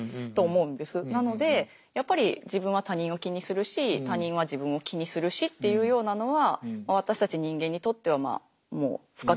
なのでやっぱり自分は他人を気にするし他人は自分を気にするしっていうようなのは私たち人間にとってはもう不可欠なもの。